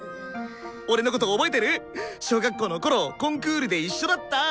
俺のこと覚えてる？小学校のころコンクールで一緒だった。